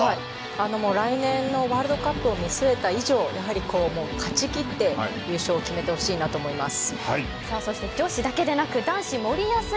来年のワールドカップを見据えた以上勝ち切って優勝を決めてほしいなと思います。